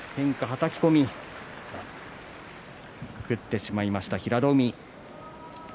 はたき込み食ってしまいました、平戸海。